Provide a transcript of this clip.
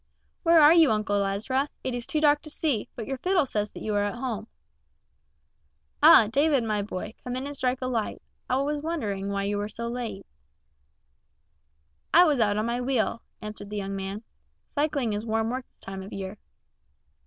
"Where are you, Uncle Ezra? It is too dark to see, but your fiddle says that you are at home." "Ah, David, my boy, come in and strike a light. I wondered why you were so late." "I was out on my wheel," answered the young man. "Cycling is warm work this time of year."